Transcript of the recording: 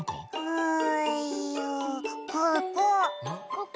ここ？